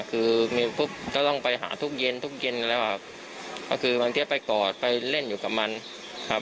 คือมีปุ๊บก็ต้องไปหาทุกเย็นทุกเย็นแล้วครับก็คือบางทีไปกอดไปเล่นอยู่กับมันครับ